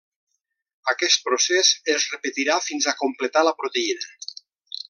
Aquest procés es repetirà fins a completar la proteïna.